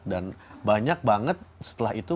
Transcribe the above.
dan banyak banget setelah itu